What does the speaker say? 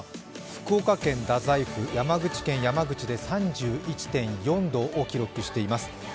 福岡県太宰府、山口県山口で３１．４度を記録しています。